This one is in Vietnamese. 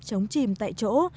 chống chìm tại chỗ